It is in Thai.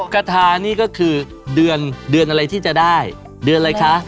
๑๐คาถานี่ก็คือเดือนอะไรที่จะได้เดือนอะไรคะ